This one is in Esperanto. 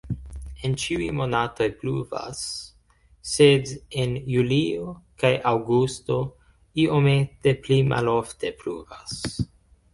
En ĉiuj monatoj pluvas, sed en julio kaj aŭgusto iomete pli malofte pluvas.